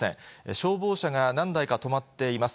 消防車が何台か止まっています。